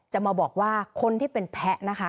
จะมาบอกว่าคนที่เป็นแพ้นะคะ